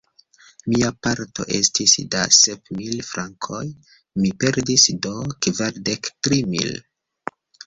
Mia parto estis da sep mil frankoj; mi perdis do kvardek tri mil.